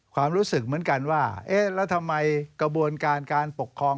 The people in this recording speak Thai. ความรู้สึกเหมือนกันว่าเอ๊ะแล้วทำไมกระบวนการการปกครอง